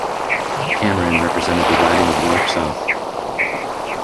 Cameron represented the riding of York South.